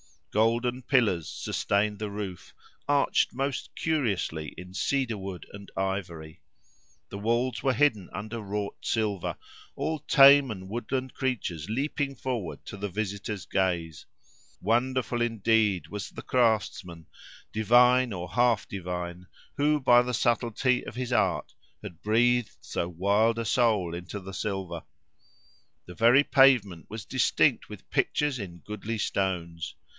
Golden pillars sustained the roof, arched most curiously in cedar wood and ivory. The walls were hidden under wrought silver:—all tame and woodland creatures leaping forward to the visitor's gaze. Wonderful indeed was the craftsman, divine or half divine, who by the subtlety of his art had breathed so wild a soul into the silver! The very pavement was distinct with pictures in goodly stones.